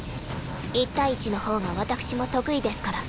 １対１のほうが私も得意ですから。